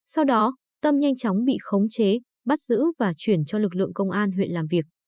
sau đó tâm nhanh chóng bị khống chế bắt giữ và chuyển cho lực lượng công an huyện làm việc